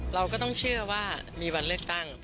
เราก็ต้องเชื่อว่ามีวันเลือกตั้ง